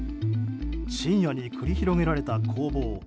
深夜に繰り広げられた攻防。